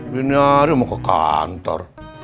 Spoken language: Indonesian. ini hari mau ke kantor